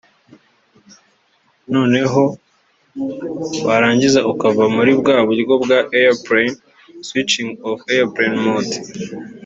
noneho warangiza ukava muri bwa buryo bwa Airplane (switching off Airplane Mode)